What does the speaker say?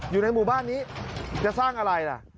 อยู่ในหมู่บ้านนี้จะสร้างอะไรล่ะ